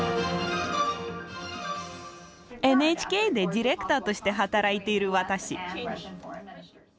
ＮＨＫでディレクターとして働いている私。